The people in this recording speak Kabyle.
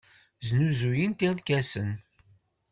Snuzuyent irkasen.